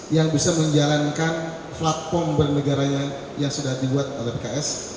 yang bisa menjalankan platform bernegara yang sudah dibuat oleh pks